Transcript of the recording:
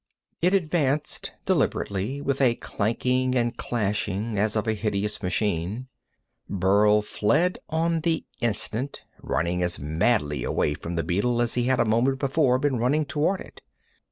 It advanced deliberately, with a clanking and clashing as of a hideous machine. Burl fled on the instant, running as madly away from the beetle as he had a moment before been running toward it.